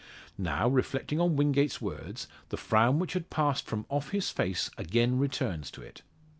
Now, reflecting on Wingate's words, the frown which had passed from off his face again returns to it.